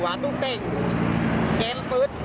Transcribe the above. เพราะถูกทำร้ายเหมือนการบาดเจ็บเนื้อตัวมีแผลถลอก